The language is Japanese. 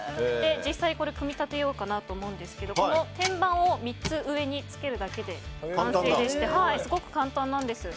実際に組み立てようと思うんですがこの天板を３つ上につけるだけで完成でしてすごく簡単なんです。